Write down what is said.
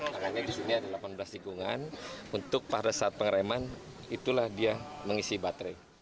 makanya di sini ada delapan belas tikungan untuk pada saat pengereman itulah dia mengisi baterai